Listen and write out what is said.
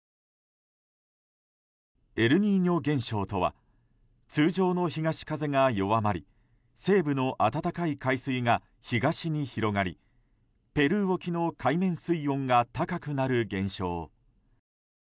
エルニーニョ現象とは通常の東風が弱まり西部の暖かい海水が東に広がりペルー沖の海面水温が高くなる現象。